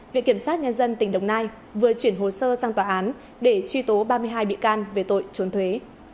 viện kiểm sát nhân dân tỉnh đồng nai vừa chuyển hồ sơ sang tòa án để truy tố ba mươi hai bị can về tội trốn thuế